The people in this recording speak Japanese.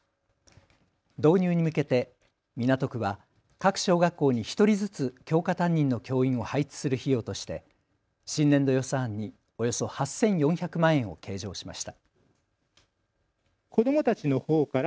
導入に向けて港区は各小学校に１人ずつ教科担任の教員を配置する費用として新年度予算案におよそ８４００万円を計上しました。